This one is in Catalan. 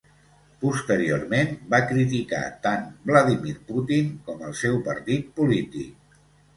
Posteriorment va criticar tant Vladímir Putin com el seu partit polític.